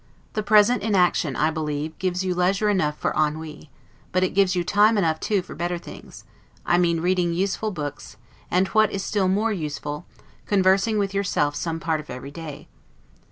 The present inaction, I believe, gives you leisure enough for 'ennui', but it gives you time enough too for better things; I mean reading useful books; and, what is still more useful, conversing with yourself some part of every day.